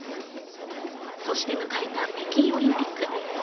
そして迎えた北京オリンピック。